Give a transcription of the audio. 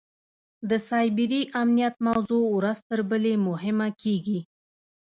د سایبري امنیت موضوع ورځ تر بلې مهمه کېږي.